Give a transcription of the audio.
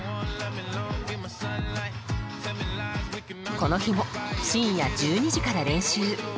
この日も深夜１２時から練習。